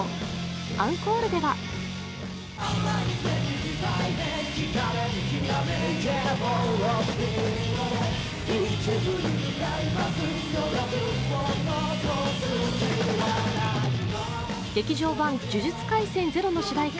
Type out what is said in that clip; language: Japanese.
アンコールでは「劇場版呪術廻戦０」の主題歌